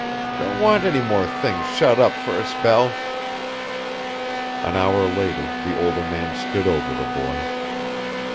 "Don't want any more things shut up for a spell." An hour later the older man stood over the boy.